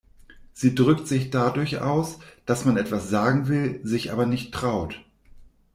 Sie drückt sich dadurch aus, dass man etwas sagen will, sich aber nicht traut.